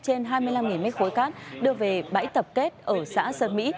trên hai mươi năm m ba cát đưa về bảy tập kết ở xã sơn mỹ